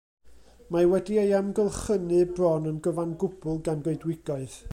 Mae wedi ei amgylchynu bron yn gyfan gwbl gan goedwigoedd.